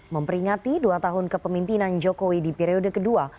memperingati dua tahun kepemimpinan jokowi di periode kedua